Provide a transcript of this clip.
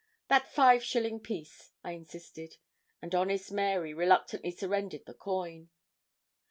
'That five shilling piece,' I insisted; and honest Mary reluctantly surrendered the coin.